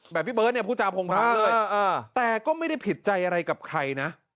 พี่เบิร์ตเนี่ยพูดจาพงเลยแต่ก็ไม่ได้ผิดใจอะไรกับใครนะ